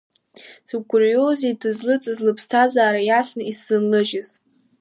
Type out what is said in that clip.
Закә гәырҩоузеи дызлыҵыз лыԥсҭазара иацны исзынлыжьыз!